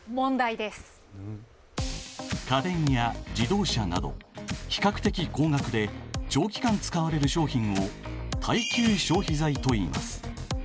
家電や自動車など比較的高額で長期間使われる商品を耐久消費財といいます。